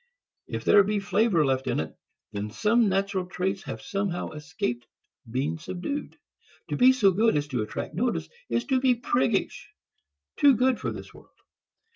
If there be flavor left in it, then some natural traits have somehow escaped being subdued. To be so good as to attract notice is to be priggish, too good for this world.